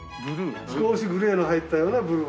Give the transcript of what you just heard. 少しグレーの入ったようなブルーを。